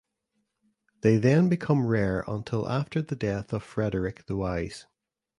They then become rare until after the death of Frederick the Wise.